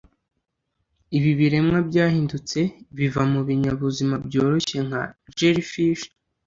Ibi biremwa byahindutse biva mubinyabuzima byoroshye nka jellyfish.